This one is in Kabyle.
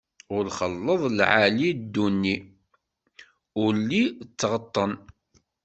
Ur xelleḍ lɛali d dduni, ulli d tɣeṭṭen!